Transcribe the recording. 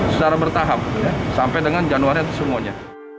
secara bertahap sampai dengan januari itu semuanya